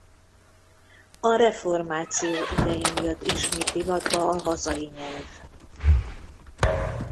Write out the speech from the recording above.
A reformáció idején jött ismét divatba a hazai nyelv.